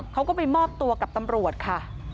เขาก็ไปมอบตัวกับตำรวจค่ะ